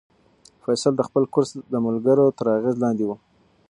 فیصل د خپل کورس د ملګرو تر اغېز لاندې و.